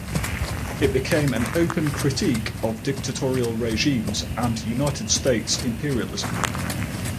It became an open critique of dictatorial regimes and United States' imperialism.